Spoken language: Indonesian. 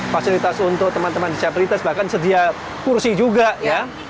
fasilitas untuk teman teman disabilitas bahkan sedia kursi juga ya